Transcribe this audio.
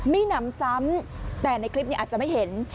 มีหนำซ้ำแต่ในคลิปนี้อาจจะไม่เห็น